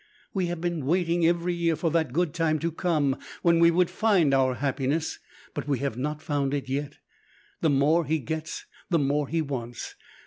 We have been waiting every year for that good time to come when we would find our happiness; we have not found it yet. The more he gets, the more he wants.